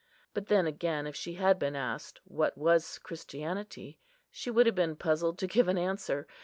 But then again, if she had been asked, what was Christianity, she would have been puzzled to give an answer.